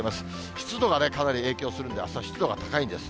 湿度がかなり影響するんで、あした湿度が高いんです。